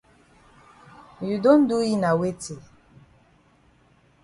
You don do yi na weti?